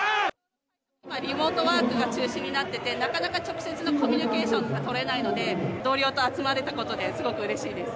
今、リモートワークが中心となってて、なかなか直接のコミュニケーションが取れないので、同僚と集まれたことで、すごくうれしいです。